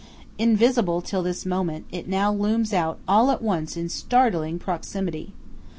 Invisible till this moment, it now looms out all at once in startling proximity.